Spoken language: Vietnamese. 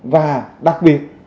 và đặc biệt